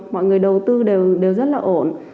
mọi người đầu tư đều rất là ổn